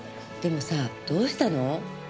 でもさどうしたの？